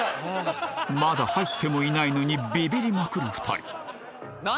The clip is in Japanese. まだ入ってもいないのにビビりまくる２人